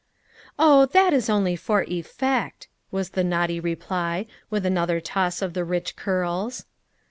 "Oh! that is only for effect," was the naughty reply, with another toss of the rich curls.